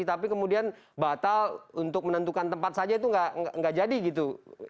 tapi kemudian batal untuk menentukan tempat saja itu nggak jadi gitu